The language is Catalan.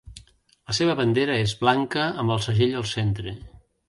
La seva bandera és blanca amb el segell al centre.